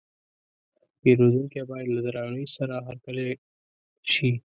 پیرودونکی باید له درناوي سره هرکلی شي.